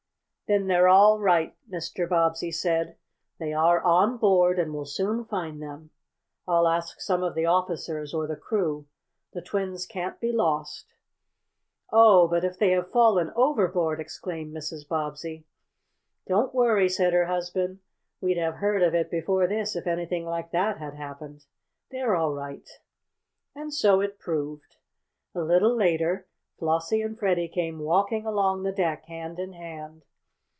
"Then they're all right," Mr. Bobbsey said. "They are on board, and we'll soon find them. I'll ask some of the officers or the crew. The twins can't be lost." "Oh, but if they have fallen overboard!" exclaimed Mrs. Bobbsey. "Don't worry," said her husband. "We'd have heard of it before this if anything like that had happened. They're all right." And so it proved. A little later Flossie and Freddie came walking along the deck hand in hand.